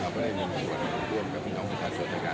สวรรคาทักษะภาราแล้ววันนี้บ้านโคราชก็จะมีการ